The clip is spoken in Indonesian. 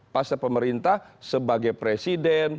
fasilitas pemerintah sebagai presiden